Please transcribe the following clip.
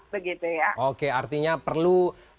begitu ya oke artinya perlu